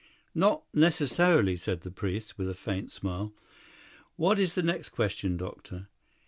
"Not necessarily," said the priest, with a faint smile. "What is the nest question, doctor?"